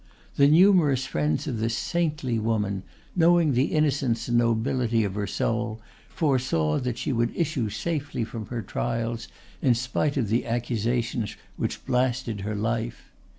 The numerous friends of this saintly woman, knowing the innocence and nobility of her soul, foresaw that she would issue safely from her trials in spite of the accusations which blasted her life.